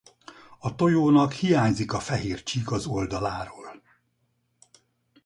A tojónak hiányzik a fehér csík az oldaláról.